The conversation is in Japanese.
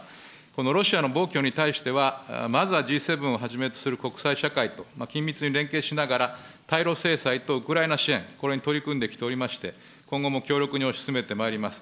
このロシアの暴挙に対しては、まずはＧ７をはじめとする国際社会と緊密に連携しながら、対ロ制裁とウクライナ支援、これに取り組んできておりまして、今後も強力に推し進めてまいります。